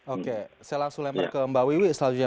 oke saya langsung lempar ke mbak wiwi selanjutnya